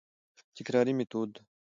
تکراري ميتود: